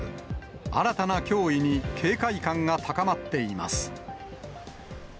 新たな脅威に警戒感が高まっています。